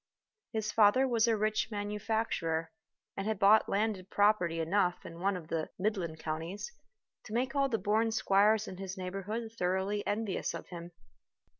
His father was a rich manufacturer, and had bought landed property enough in one of the midland counties to make all the born squires in his neighborhood thoroughly envious of him.